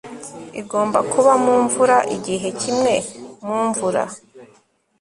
Igomba kuba mu mvura Igihe kimwe mu mvura